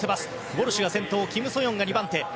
ウォルシュが先頭キム・ソヨンが２番手。